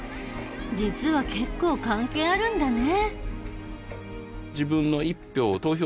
実は結構関係あるんだね。